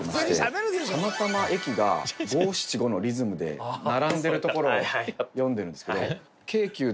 たまたま駅が５・７・５のリズムで並んでるところを詠んでるんですけど京急でいうと。